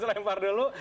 kita lempar dulu